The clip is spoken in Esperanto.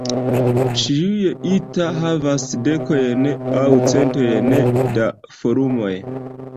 Ĉiuj "ita" havas dekojn aŭ centojn da forumoj.